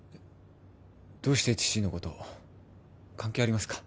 どうして父のこと関係ありますか？